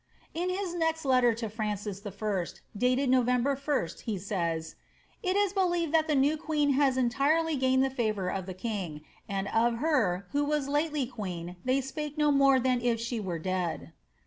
'' In his next letter to Francis I., dated NoTember 1st, he ssjrs, ^ It if believed that the new queen has entirely gained the favour of the king, and of her who was lately queen they spake no more than if she weie dead.''